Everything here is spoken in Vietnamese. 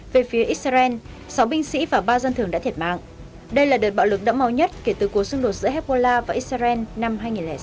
về phía israel sáu binh sĩ và ba dân thường đã thiệt mạng đây là đợt bạo lực đẫm màu nhất kể từ cuộc xung đột giữa hezbollah và israel năm hai nghìn tám